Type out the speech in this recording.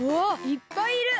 いっぱいいる！